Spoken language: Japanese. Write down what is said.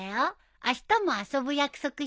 あしたも遊ぶ約束したの。